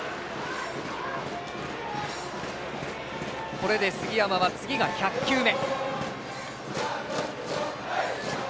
これで杉山は次が１００球目。